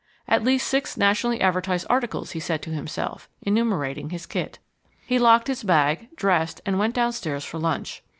... At least six nationally advertised articles, he said to himself, enumerating his kit. He locked his bag, dressed, and went downstairs for lunch.